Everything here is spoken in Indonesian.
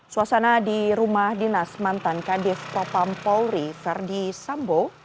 suasana di rumah dinas mantan kadif propam polri verdi sambo